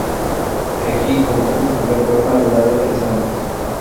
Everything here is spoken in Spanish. Egil compuso su primer poema a la edad de tres años.